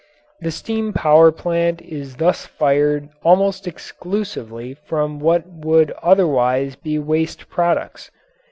The steam power plant is thus fired almost exclusively from what would otherwise be waste products.